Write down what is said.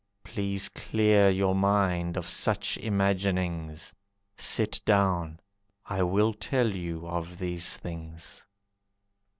Please clear Your mind of such imaginings. Sit down. I will tell you of these things."